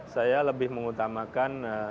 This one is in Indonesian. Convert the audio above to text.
saya lebih mengutamakan